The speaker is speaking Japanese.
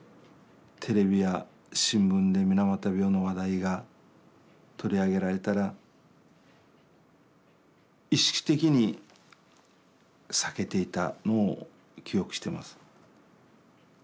テレビや新聞で水俣病の話題が取り上げられたら意識的に避けていたのを記憶してます。